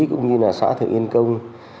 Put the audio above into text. cũng như là xã thượng yên công